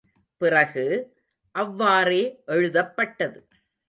பிறகு, அவ்வாறே எழுதப்பட்டது.